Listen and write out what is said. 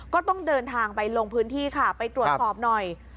ก็ต้องเดินทางไปลงพื้นที่ค่ะไปตรวจสอบหน่อย